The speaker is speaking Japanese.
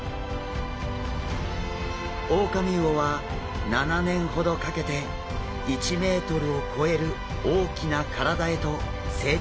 オオカミウオは７年ほどかけて１ｍを超える大きな体へと成長していきます。